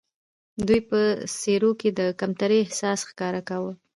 دوی په څېرو کې د کمترۍ احساس ښکاره کاوه.